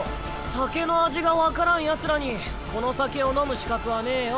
酒の味が分からんヤツらにこの酒を飲む資格はねぇよ。